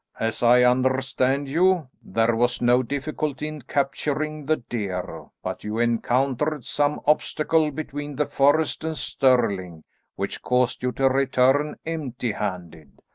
"As I understand you, there was no difficulty in capturing the deer, but you encountered some obstacle between the forest and Stirling which caused you to return empty handed.